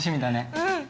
うん！